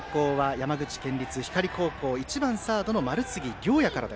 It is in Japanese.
山口県立光高校１番サード、丸次亮弥から。